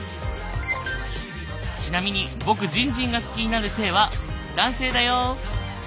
ちなみに僕じんじんが好きになる性は男性だよ。